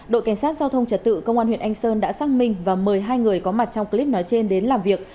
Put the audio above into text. đội cảnh sát giao thông trật tự công an huyện anh sơn đã xác minh và mời hai người có mặt trong clip nói trên đến làm việc